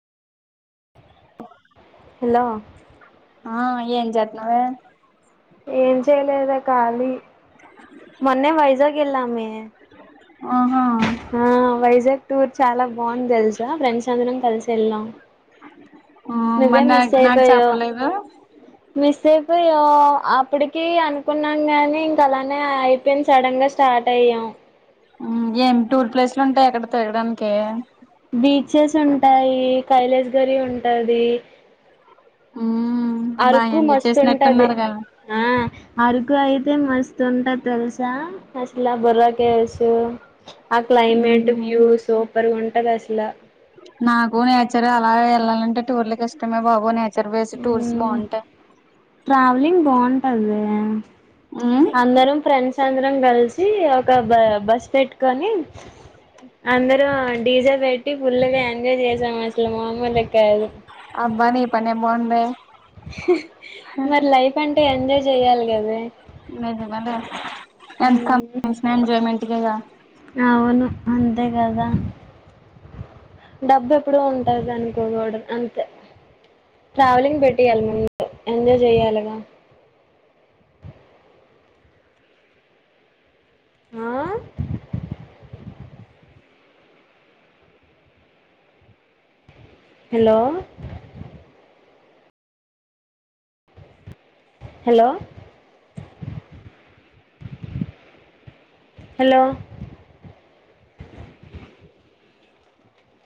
Hello ఆ ఏం జెథనవే. ఏం చేయలేదే ఖళీ మొన్నే వైజాగ్ వెళ్ళామే. ఆహా ఆ. ఆ వైజాగ్ టూర్ చాలా బాగుంది తెలుసా ఫ్రెండ్స్ అందరం కలిసి వెళ్ళాం. ఆ నువ్వే మరి నా నాకు మిస్యిపోయవు చెప్పలేదు మిస్యిపో. ప్పుయ్యో అప్పటికి అనుకున్నాం గాని ఇంక అలానే అయిపోయాంది సడన్ గా స్టార్ట్ అయ్యాం. ఉ ఏం టూర్ ప్లేస్లు ఉంటాయి ఆక్కడ తిరగడానికి. కైలేస్ గరి ఉంటది. ఉ అరుకు మస్తు ఉంటది ఆ అరుక ఇకు అయితే మస్తు ఉంటది తెలుసా అసలా బుర్రకేసు ఆ క్లైమేట్ ఉమ్ వ్యూ సూపర్ ఉంటాది అసలా. నాకు నేచర్ అలా వెళ్ళాలంటే టూర్లలకు ఇష్టమే బాబు నేచర్. సర్వీస్ టూర్స్ మ్మ్ బాగుంటాయి. అదే ఉమ్ అందరం ఫ్రెండ్స్ అందరం కలిసి ఒక బ బస్ పెట్టుకొని అందరం డీజె పెట్టి ఫుల్గా ఎంజాయ్ చేసాం అసలు మామూలుగ కాదు. అబ్బా ని పనే బావుందే. హ్ హ్ మరి లైఫ్ అంటే ఎంజాయ్ చెయాలి కదే నిజమేనే ఎంత మ్మ్ సంపాదించిన ఎంజాయ్మెంట్ కే గా అవును అంతే కదా. డబ్బు ఎప్పుడు ఉంటది అనుకోకూడదు అంతే. ట్రావెలింగ్ పెట్టియ్యాలి ముందు ఎంజాయ్ చెయ్యాలిగా. [inaudible] ఆ. హలో. Hello hello